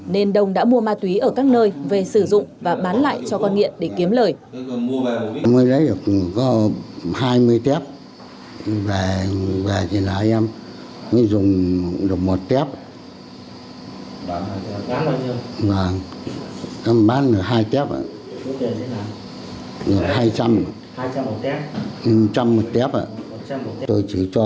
nên đông đã mua ma túy ở các nơi về sử dụng và bán lại cho con nghiện để kiếm lời